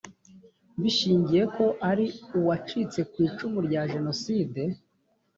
bishingiye ko ari uwacitse ku icumu rya jenoside